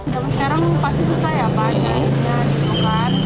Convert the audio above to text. sekarang pasti susah ya banyak